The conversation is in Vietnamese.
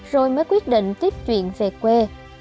rồi mới quyết định tiếp chuyện về quê